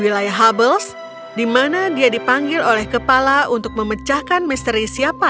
mereka higher di ngong ngam bim gnent di mana dia dipanggil oleh kepala untuk memecahkan misteri siapa